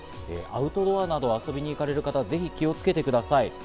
アウトドアなど、遊びに行かれる方、ぜひ気をつけてください。